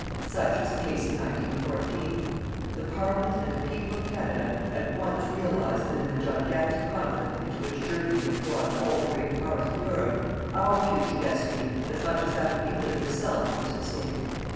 Such was the case in 1914. The Parliament and the people of Canada at once realized that in the gigantic conflict into which Germany had drawn all the Great Powers of Europe, our future destiny as much as that of England herself was at stake.